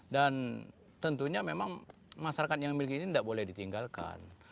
dan tentunya memang masyarakat yang miliki ini tidak boleh ditinggalkan